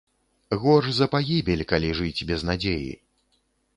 Горш за пагібель, калі жыць без надзеі!